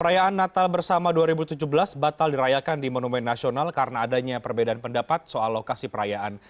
perayaan natal bersama dua ribu tujuh belas batal dirayakan di monumen nasional karena adanya perbedaan pendapat soal lokasi perayaan